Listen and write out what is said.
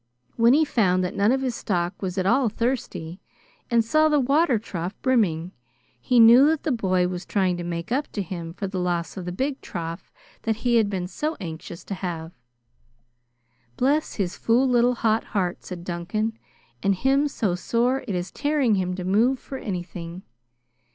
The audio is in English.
When he found that none of his stock was at all thirsty, and saw the water trough brimming, he knew that the boy was trying to make up to him for the loss of the big trough that he had been so anxious to have. "Bless his fool little hot heart!" said Duncan. "And him so sore it is tearing him to move for anything.